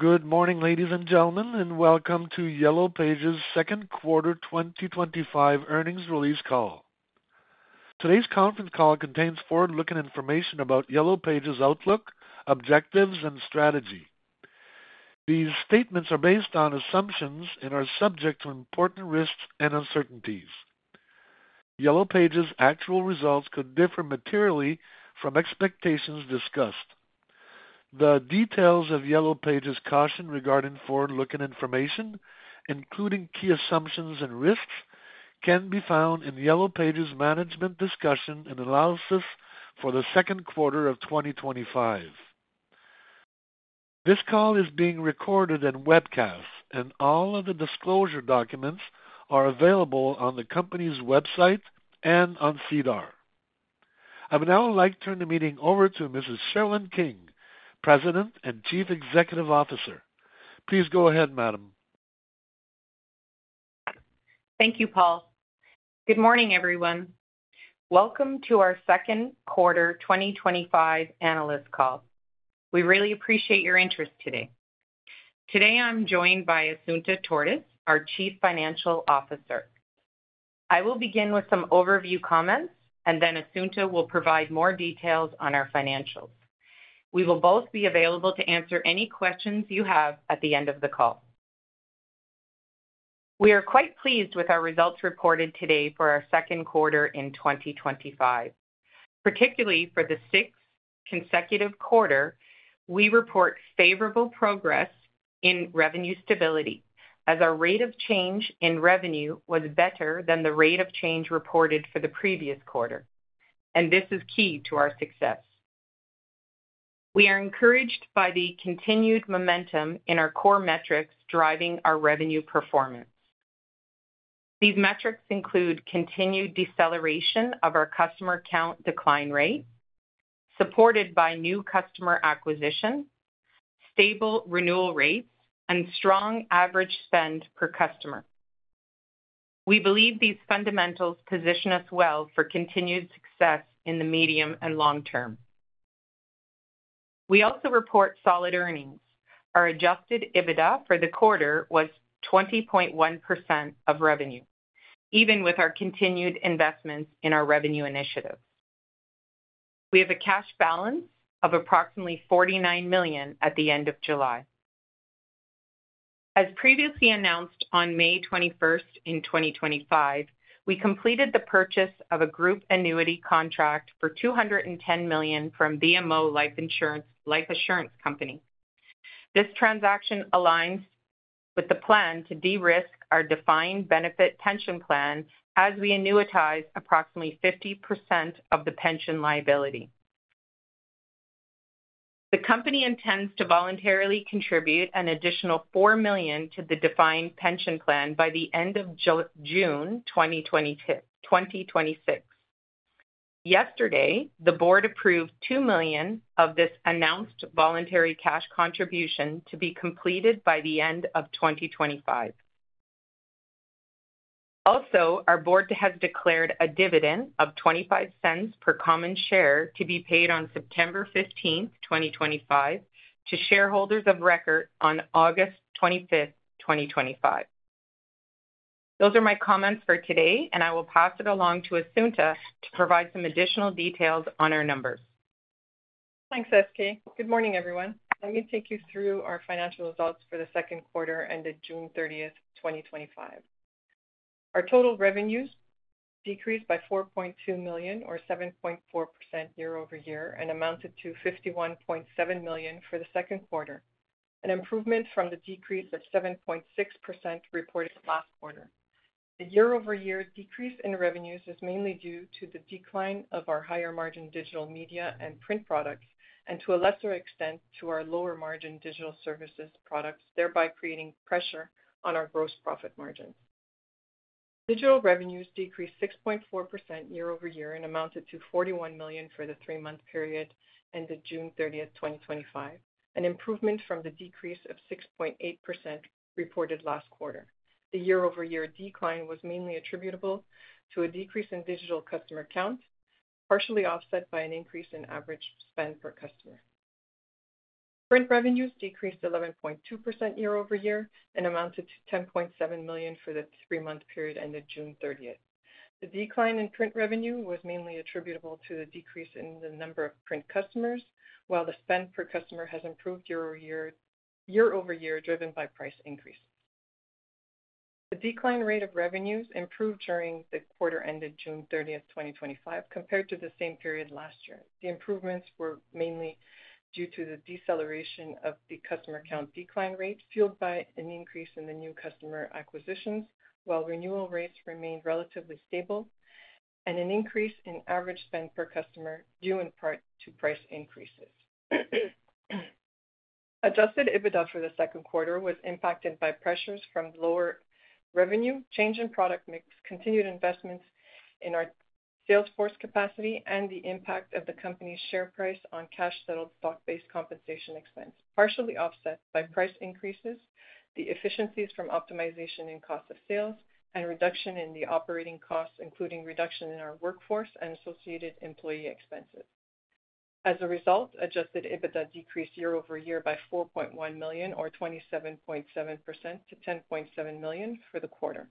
Good morning, ladies and gentlemen, and welcome to Yellow Pages' Second Quarter 2025 Earnings Release Call. Today's conference call contains forward-looking information about Yellow Pages' outlook, objectives, and strategy. These statements are based on assumptions and are subject to important risks and uncertainties. Yellow Pages' actual results could differ materially from expectations discussed. The details of Yellow Pages' caution regarding forward-looking information, including key assumptions and risks, can be found in Yellow Pages' Management Discussion and Analysis for the second quarter of 2025. This call is being recorded and webcast, and all of the disclosure documents are available on the company's website and on SEDAR. I would now like to turn the meeting over to Mrs. Sherilyn King, President and Chief Executive Officer. Please go ahead, Madam. Thank you, Paul. Good morning, everyone. Welcome to our Second Quarter 2025 Analyst Call. We really appreciate your interest today. Today, I'm joined by Assunta Tortis, our Chief Financial Officer. I will begin with some overview comments, and then Assunta will provide more details on our financials. We will both be available to answer any questions you have at the end of the call. We are quite pleased with our results reported today for our second quarter in 2025. Particularly for the sixth consecutive quarter, we report favorable progress in revenue stability, as our rate of change in revenue was better than the rate of change reported for the previous quarter, and this is key to our success. We are encouraged by the continued momentum in our core metrics driving our revenue performance. These metrics include continued deceleration of our customer count decline rate, supported by new customer acquisition, stable renewal rates, and strong average spend per customer. We believe these fundamentals position us well for continued success in the medium and long term. We also report solid earnings. Our adjusted EBITDA for the quarter was 20.1% of revenue, even with our continued investments in our revenue initiative. We have a cash balance of approximately 49 million at the end of July. As previously announced on May 21st, 2025, we completed the purchase of a group annuity contract for 210 million from BMO Life Assurance Company. This transaction aligns with the plan to de-risk our defined benefit pension plan as we annuitize approximately 50% of the pension liability. The company intends to voluntarily contribute an additional 4 million to the defined benefit pension plan by the end of June 2026. Yesterday, the board approved 2 million of this announced voluntary cash contribution to be completed by the end of 2025. Also, our board has declared a dividend of 0.25 per common share to be paid on September 15th, 2025, to shareholders of record on August 25th, 2025. Those are my comments for today, and I will pass it along to Assunta to provide some additional details on our numbers. Thanks. Good morning, everyone. Let me take you through our financial results for the second quarter ended June 30th, 2025. Our total revenues decreased by 4.2 million or 7.4% year-over-year and amounted to 51.7 million for the second quarter, an improvement from the decrease of 7.6% reported last quarter. The year-over-year decrease in revenues is mainly due to the decline of our higher margin digital media and print products, and to a lesser extent to our lower margin digital services products, thereby creating pressure on our gross profit margins. Digital revenues decreased 6.4% year-over-year and amounted to 41 million for the three-month period ended June 30th, 2025, an improvement from the decrease of 6.8% reported last quarter. The year-over-year decline was mainly attributable to a decrease in digital customer count, partially offset by an increase in average spend per customer. Print revenues decreased 11.2% year-over-year and amounted to 10.7 million for the three-month period ended June 30th. The decline in print revenue was mainly attributable to the decrease in the number of print customers, while the spend per customer has improved year-over-year, driven by price increase. The decline rate of revenues improved during the quarter ended June 30th, 2025, compared to the same period last year. The improvements were mainly due to the deceleration of the customer count decline rate, fueled by an increase in the new customer acquisitions, while renewal rates remained relatively stable, and an increase in average spend per customer due in part to price increases. Adjusted EBITDA for the second quarter was impacted by pressures from lower revenue, change in product mix, continued investments in our sales force capacity, and the impact of the company's share price on cash settled stock-based compensation expense, partially offset by price increases, the efficiencies from optimization in cost of sales, and reduction in the operating costs, including reduction in our workforce and associated employee expenses. As a result, adjusted EBITDA decreased year-over-year by 4.1 million or 27.7% to 10.7 million for the quarter.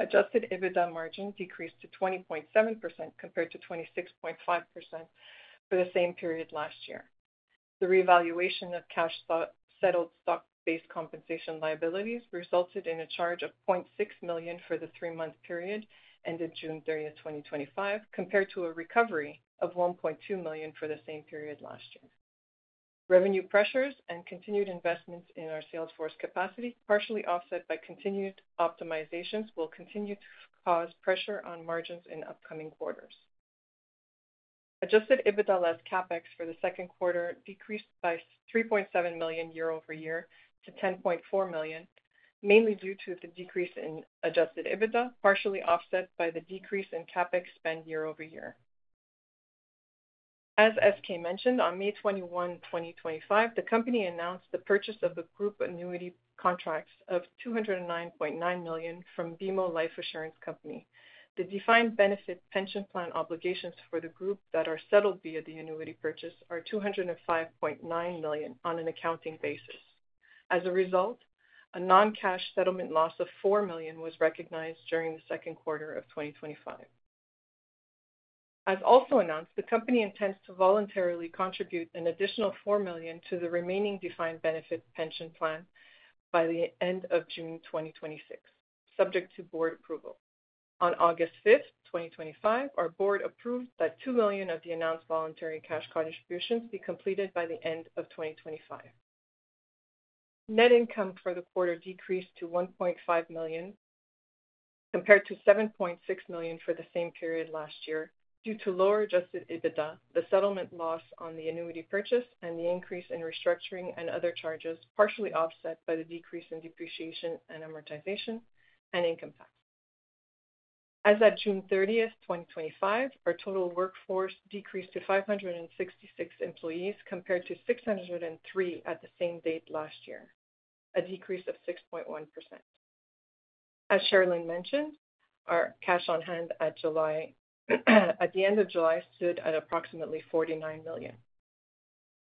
Adjusted EBITDA margin decreased to 20.7% compared to 26.5% for the same period last year. The revaluation of cash settled stock-based compensation liabilities resulted in a charge of 0.6 million for the three-month period ended June 30th, 2025, compared to a recovery of 1.2 million for the same period last year. Revenue pressures and continued investments in our sales force capacity, partially offset by continued optimizations, will continue to cause pressure on margins in upcoming quarters. Adjusted EBITDA less CapEx for the second quarter decreased by 3.7 million year-over-year to 10.4 million, mainly due to the decrease in adjusted EBITDA, partially offset by the decrease in CapEx spend year-over-year. As [King] mentioned, on May 21, 2025, the company announced the purchase of the group annuity contracts of 209.9 million from BMO Life Assurance Company. The defined benefit pension plan obligations for the group that are settled via the annuity purchase are 205.9 million on an accounting basis. As a result, a non-cash settlement loss of 4 million was recognized during the second quarter of 2025. As also announced, the company intends to voluntarily contribute an additional 4 million to the remaining defined benefit pension plan by the end of June 2026, subject to board approval. On August 5th, 2025, our board approved that 2 million of the announced voluntary cash contributions be completed by the end of 2025. Net income for the quarter decreased to 1.5 million, compared to 7.6 million for the same period last year, due to lower adjusted EBITDA, the settlement loss on the annuity purchase, and the increase in restructuring and other charges, partially offset by the decrease in depreciation and amortization and income tax. As of June 30th, 2025, our total workforce decreased to 566 employees, compared to 603 at the same date last year, a decrease of 6.1%. As Sherilyn mentioned, our cash on hand at the end of July stood at approximately 49 million.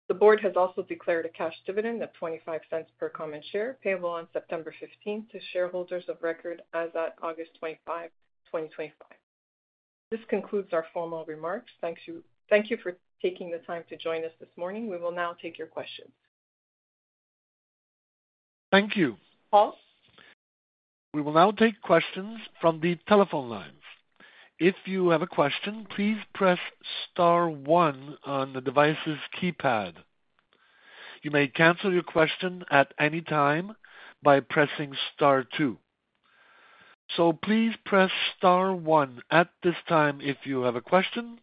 The board has also declared a cash dividend of 0.25 per common share, payable on September 15 to shareholders of record as at August 25, 2025. This concludes our formal remarks. Thank you for taking the time to join us this morning. We will now take your questions. Thank you. Paul We will now take questions from the telephone lines. If you have a question, please press star one on the device's keypad. You may cancel your question at any time by pressing star two. Please press star one at this time if you have a question.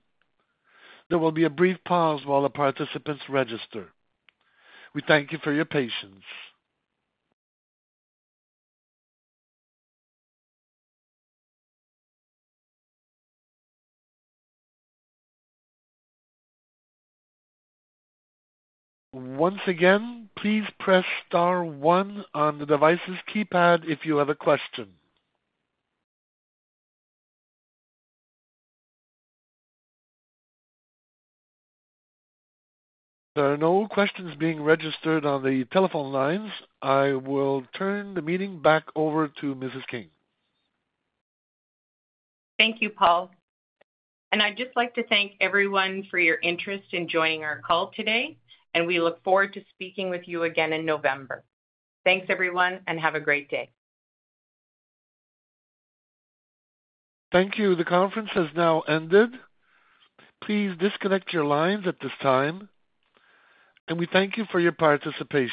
There will be a brief pause while the participants register. We thank you for your patience. Once again, please press star one on the device's keypad if you have a question. There are no questions being registered on the telephone lines. I will turn the meeting back over to Mrs. King. Thank you, Paul. I'd just like to thank everyone for your interest in joining our call today, and we look forward to speaking with you again in November. Thanks, everyone, and have a great day. Thank you. The conference has now ended. Please disconnect your lines at this time, and we thank you for your participation.